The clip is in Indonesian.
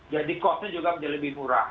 jadi kosnya juga menjadi lebih murah